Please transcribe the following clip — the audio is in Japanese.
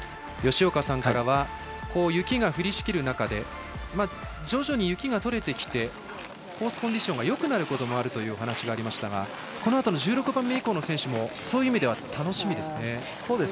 吉岡さんからは雪が降りしきる中で徐々に雪が取れてきてコースコンディションがよくなることもあるというお話がありましたがこのあと１６番目以降の選手もそういう意味では楽しみですね。